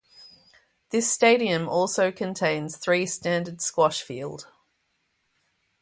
This stadium also contains three standard squash field.